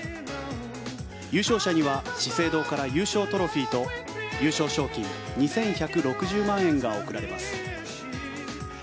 優勝者には、資生堂から優勝トロフィーと優勝賞金２１６０万円が贈られます。